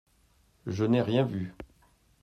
Je n’ai rien vu.